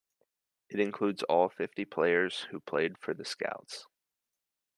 It includes all fifty players who played for the Scouts.